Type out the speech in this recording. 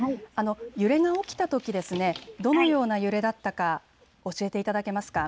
揺れが起きたときどのような揺れだったか教えていただけますか。